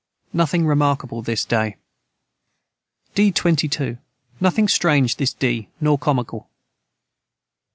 Nothing remarkable this day. D 22. Nothing Strange this D nor comical.